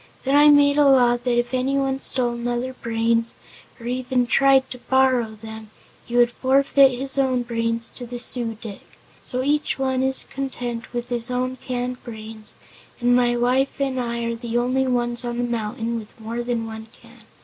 Then I made a law that if anyone stole another's brains, or even tried to borrow them, he would forfeit his own brains to the Su dic. So each one is content with his own canned brains and my wife and I are the only ones on the mountain with more than one can.